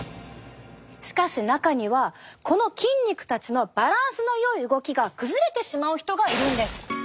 しかし中にはこの筋肉たちのバランスのよい動きが崩れてしまう人がいるんです。